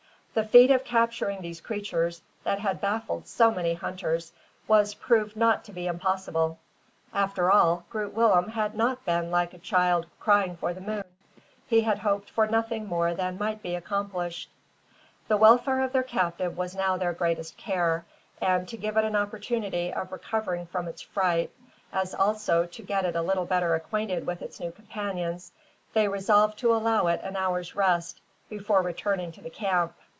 The feat of capturing these creatures, that had baffled so many hunters, was proved not to be impossible. After all, Groot Willem had not been like a child crying for the moon. He had hoped for nothing more than might be accomplished. The welfare of their captive was now their greatest care; and, to give it an opportunity of recovering from its fright, as also to get it a little better acquainted with its new companions, they resolved to allow it an hour's rest before returning to the camp.